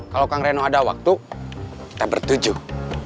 kalau kang reno ada waktu kita bertujuh